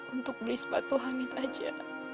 untuk beli sepatu hamid aja